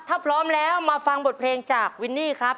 ถ้าพร้อมแล้วมาฟังบทเพลงจากวินนี่ครับ